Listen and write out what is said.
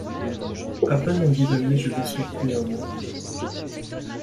À peine en dix années je lui surpris un mot.